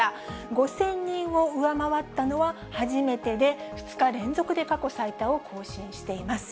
５０００人を上回ったのは初めてで、２日連続で過去最多を更新しています。